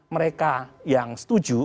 mereka yang setuju